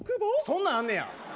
そんなんあんねや？